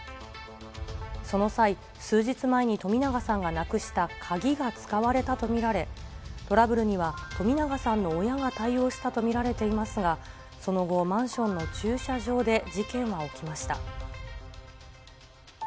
その際、数日前に冨永さんがなくした鍵が使われたと見られ、トラブルには冨永さんの親が対応したと見られていますが、その後、マンションの駐車場で事件は起きました。